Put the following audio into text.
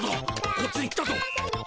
こっちに来たぞ。